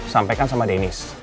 sampaikan sama deniz